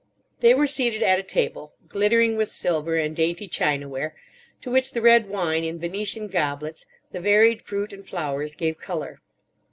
They were seated at a table, glittering with silver and dainty chinaware, to which the red wine in Venetian goblets, the varied fruit and flowers, gave colour.